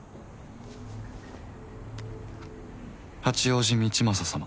「八王子道正様